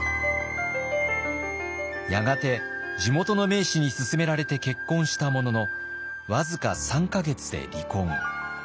やがて地元の名士に勧められて結婚したものの僅か３か月で離婚。